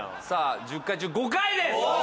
さあ１０回中５回です！